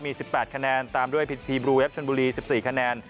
มี๑๘คะแนนตามด้วยพิธีบลูเวฟชนบุรี๑๔คะแนน